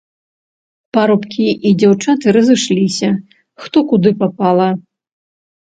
Парабкі і дзяўчаты разышліся, хто куды папала.